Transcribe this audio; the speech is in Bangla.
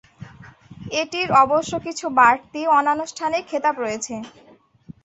এটির অবশ্য কিছু বাড়তি অনানুষ্ঠানিক খেতাব রয়েছে।